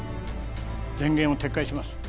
前言を撤回します。